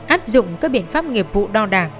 áp dụng các biện pháp nghiệp vụ đo đảng